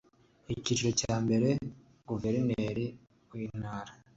Icyiciro cya mbere Guverineri w Intara